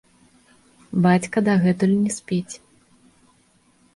Бацька дагэтуль не спіць.